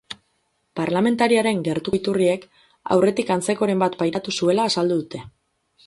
Parlamentariaren gertuko iturriek aurretik antzekoren bat pairatu zuela azaldu dute.